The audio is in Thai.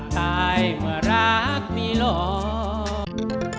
ใครเมื่อราคมีโลก